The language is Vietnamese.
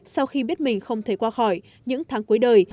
sau khi biết mình không thể qua khỏi những tháng cuối đời